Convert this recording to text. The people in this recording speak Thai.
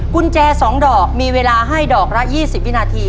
กุญแจ๒ดอกมีเวลาให้ดอกละ๒๐วินาที